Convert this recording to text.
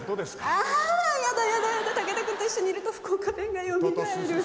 あやだやだやだ武田君と一緒にいると福岡弁がよみがえる。